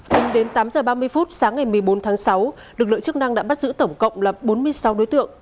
từ tám h ba mươi sáng ngày một mươi bốn tháng sáu lực lượng chức năng đã bắt giữ tổng cộng là bốn mươi sáu đối tượng